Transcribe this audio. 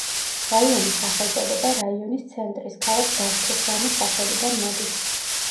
რაიონის სახელწოდება რაიონის ცენტრის, ქალაქ დაშქესანის სახელიდან მოდის.